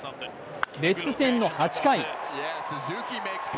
レッズ戦の８回。